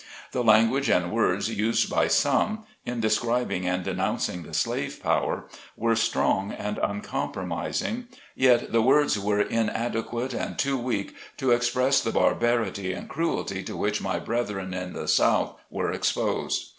The lan guage and words used by some, in describing and denouncing the slave power, were strong and uncom promising, yet the words were inadequate and too weak to express the barbarity and cruelty to which my brethren in the South were exposed.